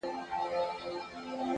د حقیقت درناوی باور زیاتوي.!